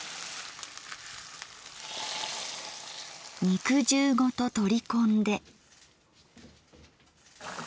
肉汁ごと取り込んで。